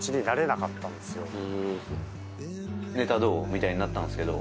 みたいになったんですけど。